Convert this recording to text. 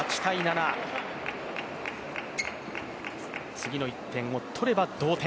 次の１点を取れば同点。